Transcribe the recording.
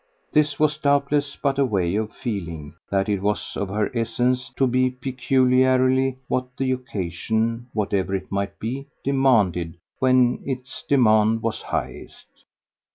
This was doubtless but a way of feeling that it was of her essence to be peculiarly what the occasion, whatever it might be, demanded when its demand was highest.